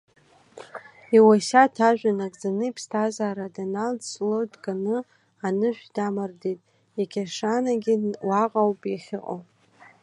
Иуасиаҭ ажәа нагӡаны иԥсҭазаара даналҵ Ҷлоу дганы анышә дамардеит, иқьашанагьы уаҟа ауп иахьыҟоу.